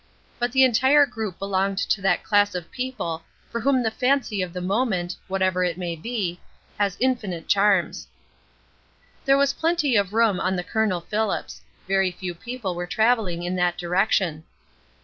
But the entire group belonged to that class of people for whom the fancy of the moment, whatever it may be, has infinite charms. There was plenty of room on the Colonel Phillips. Very few people were traveling in that direction.